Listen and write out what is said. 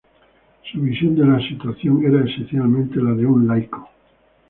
Su visión de la situación era esencialmente la de un laico.